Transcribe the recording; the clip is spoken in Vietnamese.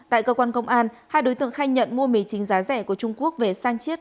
tại cơ quan công an hai đối tượng khai nhận mua mì chính giá rẻ của trung quốc về sang chiết